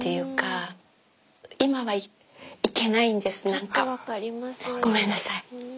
何かごめんなさい。